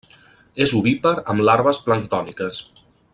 És ovípar amb larves planctòniques.